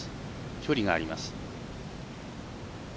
距離があります。